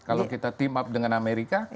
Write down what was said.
kalau kita team up dengan amerika